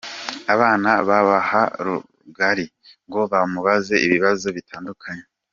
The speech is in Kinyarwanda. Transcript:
Abana abaha rugari ngo bamubaze ibibazo bitandukanye.